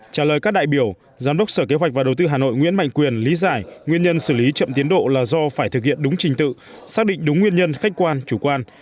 trả lời các đại biểu giám đốc sở kế hoạch và đầu tư hà nội nguyễn mạnh quyền lý giải nguyên nhân xử lý chậm tiến độ là do phải thực hiện đúng trình tự xác định đúng nguyên nhân khách quan chủ quan